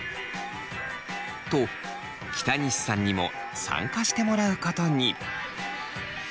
と北西さんにも参加してもらうことに。